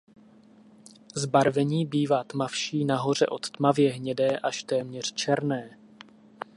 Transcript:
Zbarvení bývá tmavší nahoře od tmavě hnědé až téměř černé.